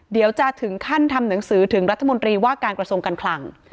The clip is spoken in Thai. เดี๋ยวจะถึงขั้นทำหนังสือถึงรัฐมนตรีว่าการกระทรวงการคลัง